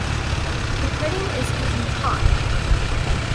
The pudding is eaten hot.